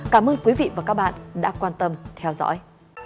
cảm ơn quý vị và các bạn đã quan tâm theo dõi